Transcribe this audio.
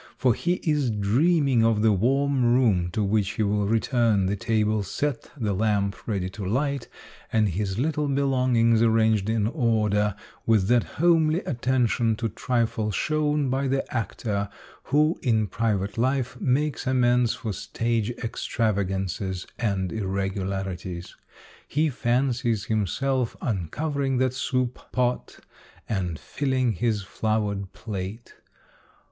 For he is dreaming of the warm room to which he will return, the table set, the lamp ready to light, all his little belongings arranged in order, with that homely attention to trifles shown by the actor who in private life makes amends for stage extrav agances and irregularities. He fancies himself un covering that soup pot and filling his flowered plate.